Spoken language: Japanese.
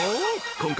今回］